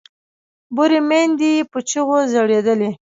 بورې میندې یې په چیغو ژړېدلې